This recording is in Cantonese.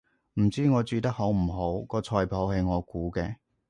唔知我煮得好唔好，個菜譜係我估嘅